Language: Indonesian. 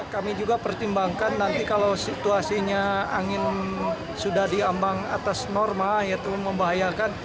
kami juga pertimbangkan nanti kalau situasinya angin sudah diambang atas norma yaitu membahayakan